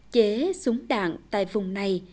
chế súng đạn tại vùng này